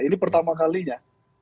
ini pertama kalinya